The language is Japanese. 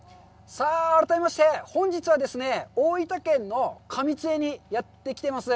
さあ、改めまして、本日はですね、大分県の上津江にやってきています。